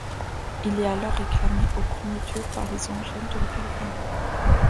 Il est alors réclamé au premier tour par les Angels de la Californie.